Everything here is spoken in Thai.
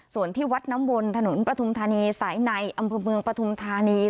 ส่วนที่วัดน้ำวนถนนปฐุมธานีสายในอำเภอเมืองปฐุมธานี